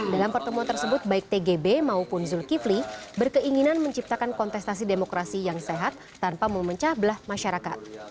dalam pertemuan tersebut baik tgb maupun zulkifli berkeinginan menciptakan kontestasi demokrasi yang sehat tanpa memecah belah masyarakat